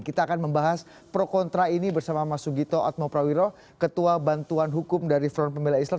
kita akan membahas pro kontra ini bersama mas sugito atmo prawiro ketua bantuan hukum dari front pembela islam